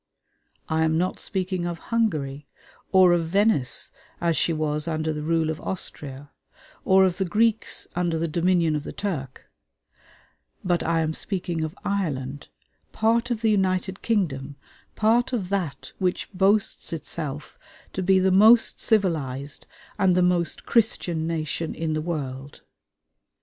I am not speaking of Hungary, or of Venice as she was under the rule of Austria, or of the Greeks under the dominion of the Turk; but I am speaking of Ireland part of the United Kingdom part of that which boasts itself to be the most civilized and the most Christian nation in the world.